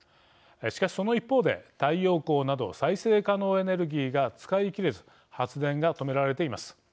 しかしその一方で太陽光など再生可能エネルギーが使い切れず発電が止められています。